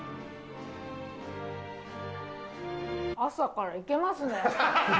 朝からいけますね。